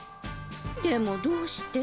でもどうして？